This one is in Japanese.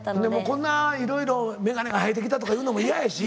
こんないろいろメガネが生えてきたとか言うのも嫌やし。